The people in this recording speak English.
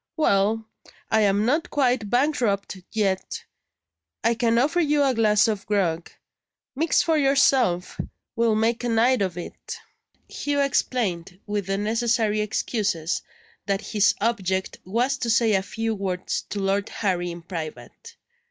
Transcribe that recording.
Well! I am not quite bankrupt yet; I can offer you a glass of grog. Mix for yourself we'll make a night of it." Hugh explained (with the necessary excuses) that his object was to say a few words to Lord Harry in private.